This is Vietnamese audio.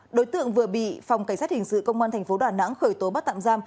đối tượng vừa bị phòng cảnh sát hình sự công an tp hcm khởi tố bắt tạm giam